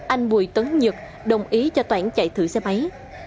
anh bùi tấn nhật đồng ý cho toản chạy thử xe máy